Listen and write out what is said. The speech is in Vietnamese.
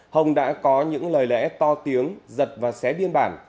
hồng đã có những lời lẽ to tiếng giật và xé biên bản